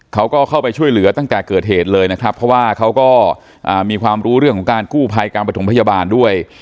เขาก็เข้าไปช่วยเหลือตั้งแต่เกิดเหตุเลยนะครับเพราะว่าเขาก็มีความรู้เรื่องของการกู้ภัยการประถมพยาบาลด้วย